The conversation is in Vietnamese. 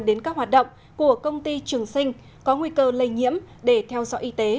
đến các hoạt động của công ty trường sinh có nguy cơ lây nhiễm để theo dõi y tế